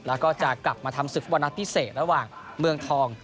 แล้วก็จะกลับมาทำศึกฟุตบอลนัดพิเศษระหว่างเมืองทอง